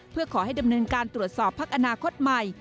เพื่อขอให้ดำเนินการตรวจสอบพักอนาคตใหม่